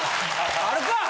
あるか！